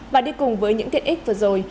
và đi cùng với những tiện ích vừa rồi